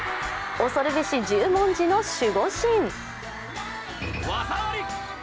恐るべし十文字の守護神。